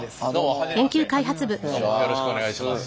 よろしくお願いします。